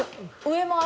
上も。